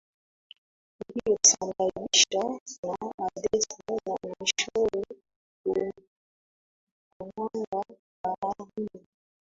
uliosababishwa na Andes na mwishowe ukamwaga baharini